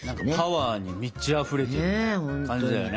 パワーに満ちあふれてる感じだよね。